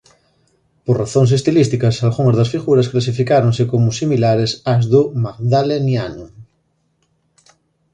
Por razóns estilísticas algunhas das figuras clasificáronse como similares ás do Magdaleniano.